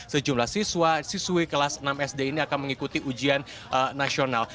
sejumlah siswa siswi kelas enam sd ini akan mengikuti ujian nasional